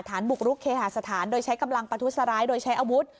ฐานบุกรุกเคหาสถานโดยใช้กำลังประทุษร้ายโดยใช้อาวุธ